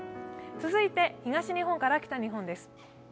続いて東日本から北日本です。